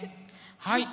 はい。